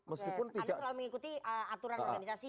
anda selalu mengikuti aturan organisasi